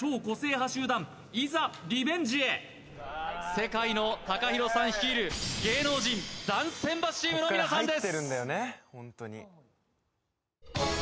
世界のＴＡＫＡＨＩＲＯさん率いる芸能人ダンス選抜チームの皆さんです